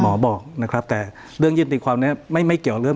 บอกนะครับแต่เรื่องยื่นตีความนี้ไม่เกี่ยวเรื่อง